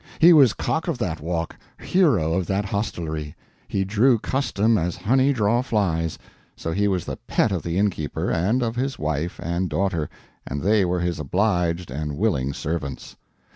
He was cock of that walk, hero of that hostelry; he drew custom as honey draws flies; so he was the pet of the innkeeper, and of his wife and daughter, and they were his obliged and willing servants.